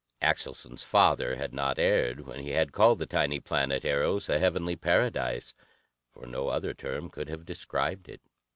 Axelson's father had not erred when he had called the tiny planet, Eros, a heavenly paradise, for no other term could have described it.